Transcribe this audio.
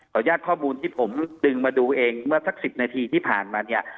ญาติข้อมูลที่ผมดึงมาดูเองเมื่อสัก๑๐นาทีที่ผ่านมาเนี่ย